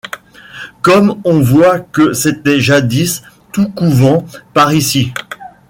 Comme on voit que c’était jadis tout couvents par ici!